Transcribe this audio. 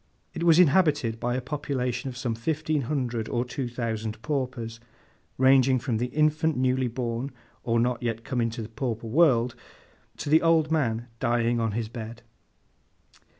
It was inhabited by a population of some fifteen hundred or two thousand paupers, ranging from the infant newly born or not yet come into the pauper world, to the old man dying on his bed.